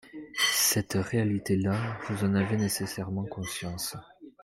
Cette réalité-là, vous en avez nécessairement conscience.